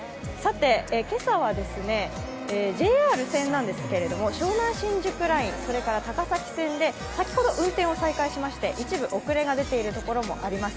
今朝はＪＲ線ですけれども、湘南新宿ライン、それから高崎線で先ほど運転を再開しまして一部遅れが出ているところもあります。